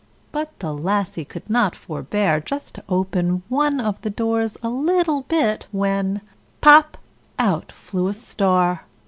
But the Lassie could not forbear just to open one of the doors a little bit, when POP! out flew a Star.